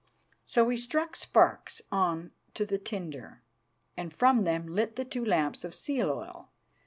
So we struck sparks on to the tinder, and from them lit the two lamps of seal oil.